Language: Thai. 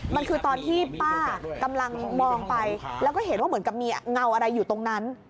มันคือตอนที่ป้ากำลังมองไปแล้วก็เห็นว่าเหมือนกับมีเงาอะไรอยู่ตรงนั้น